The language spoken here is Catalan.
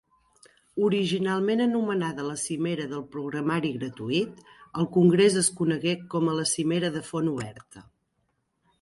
Originalment anomenada la cimera del programari gratuït, el congrés es conegué com a la Cimera de font oberta.